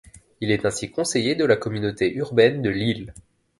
Il est ainsi conseiller de la communauté urbaine de Lille.